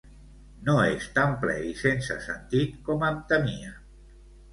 No és tan ple i sense sentit com em temia.